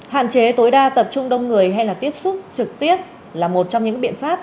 hạn chế tối đa tập trung đông người hay là tiếp xúc trực tiếp là một trong những biện pháp